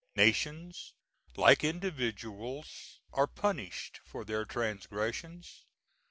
Nations, like individuals, are punished for their transgressions.